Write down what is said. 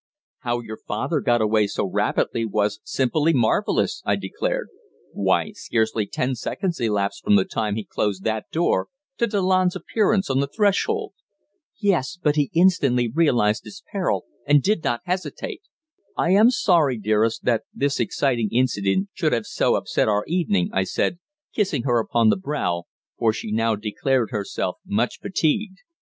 "How your father got away so rapidly was simply marvellous!" I declared. "Why, scarcely ten seconds elapsed from the time he closed that door to Delanne's appearance on the threshold." "Yes. But he instantly realized his peril, and did not hesitate." "I am sorry, dearest, that this exciting incident should have so upset our evening," I said, kissing her upon the brow, for she now declared herself much fatigued.